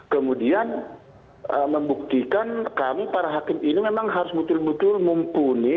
kemudian membuktikan kami para hakim ini memang harus betul betul mumpuni